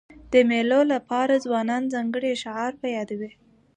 د مېلو له پاره ځوانان ځانګړي اشعار په یادوي.